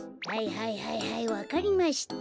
はいはいはいわかりました。